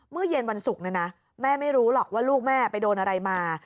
เย็นวันศุกร์นะนะแม่ไม่รู้หรอกว่าลูกแม่ไปโดนอะไรมา